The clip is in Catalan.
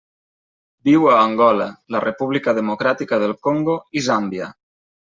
Viu a Angola, la República Democràtica del Congo i Zàmbia.